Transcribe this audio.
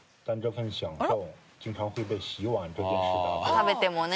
食べてもね。